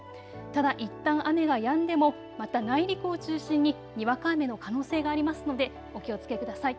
ただいったん雨がやんでもまた内陸を中心ににわか雨の可能性がありますのでお気をつけください。